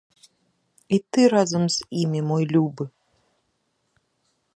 І ты разам з імі, мой любы!